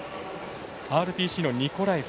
ＲＰＣのニコラエフ。